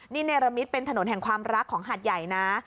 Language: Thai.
นี่เนรมิตเป็นถนนแห่งความรักของหาดใหญ่นะ